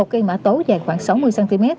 một cây mã tố dài khoảng sáu mươi cm